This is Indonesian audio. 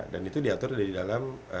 dan itu diatur di dalam